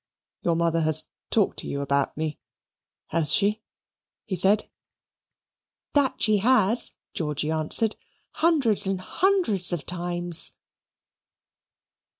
"Your mother has talked to you about me has she?" he said. "That she has," Georgy answered, "hundreds and hundreds of times."